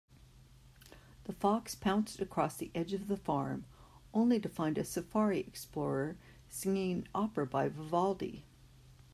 The fox pounced across the edge of the farm, only to find a safari explorer singing an opera by Vivaldi.